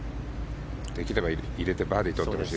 できれば入れてバーディーをとってほしい。